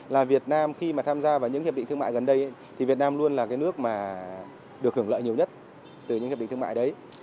là việt nam khi mà tham gia vào những hiệp định thương mại gần đây thì việt nam luôn là cái nước mà được hưởng lợi nhiều nhất từ những hiệp định thương mại đấy